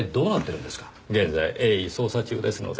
現在鋭意捜査中ですので。